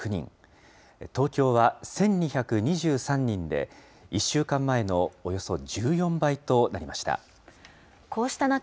東京は１２２３人で、１週間前のおよそ１４倍となりました。